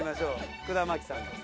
福田麻貴さんです